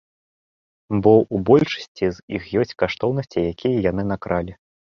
Бо ў большасці з іх ёсць каштоўнасці, якія яны накралі.